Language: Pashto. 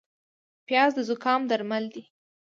پیاز د زکام درمل دی